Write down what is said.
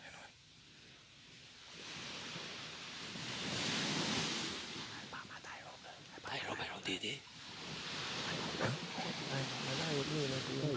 มานั่นแหล่ง